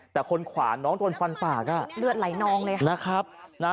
แต่คนขวาน้องต้นฟันปากเลือดไหลนองเลย